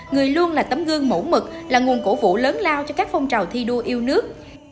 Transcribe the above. người luôn là tấm gương mẫu mực là nguồn cổ vũ lớn lao cho các phong trào thi đua yêu nước